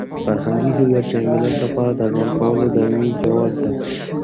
فرهنګي هویت د یو ملت لپاره د ژوند کولو دایمي جواز دی.